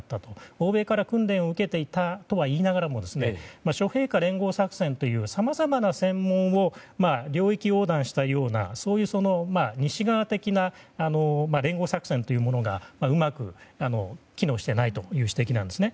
欧米から訓練を受けていたとは言いながらも連合作戦というさまざまなものを領域横断したような西側的な連合作戦というものがうまく機能していないという指摘なんですね。